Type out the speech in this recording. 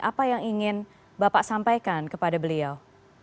apa yang ingin bapak sampaikan kepada beliau